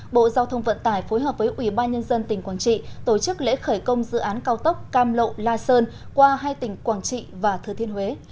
bộ giao thông vận tải phối hợp với ủy ban nhân dân tỉnh quảng trị tổ chức lễ khởi công dự án cao tốc cam lộ la sơn qua hai tỉnh quảng trị và thừa thiên huế